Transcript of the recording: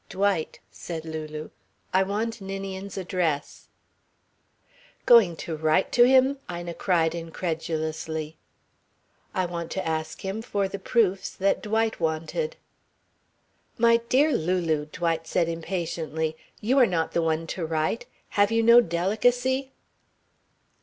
"Dwight," said Lulu, "I want Ninian's address." "Going to write to him!" Ina cried incredulously. "I want to ask him for the proofs that Dwight wanted." "My dear Lulu," Dwight said impatiently, "you are not the one to write. Have you no delicacy?"